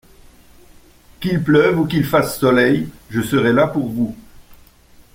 Qu’il pleuve ou qu’il fasse soleil, je serai là pour vous.